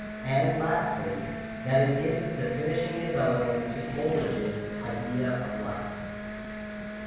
97) ; and lastly, that it gives the finishing development to Coleridge's " Idea of Life" (p.